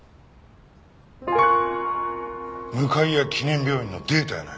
向谷記念病院のデータやないか。